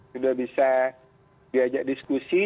sudah bisa diajak diskusi